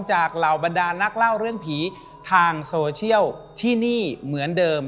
เหล่าบรรดานักเล่าเรื่องผีทางโซเชียลที่นี่เหมือนเดิม